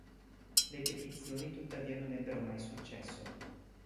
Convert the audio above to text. Le petizioni tuttavia non ebbero mai successo.